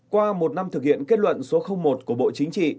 qua một năm thực hiện kết luận số một của bộ chính trị